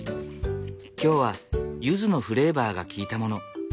今日はゆずのフレーバーが効いたもの。